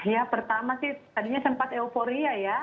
ya pertama sih tadinya sempat euforia ya